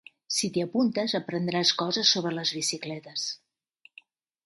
Si t'hi apuntes, aprendràs coses sobre les bicicletes.